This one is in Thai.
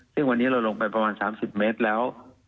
ซึ่งวันนี้เราลงไปประมาณ๓๐เมตรแล้ว